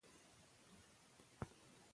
د جګړې له امله خلکو سخت ژوند تېر کړ.